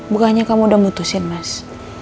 bukannya kamu udah mutusin mas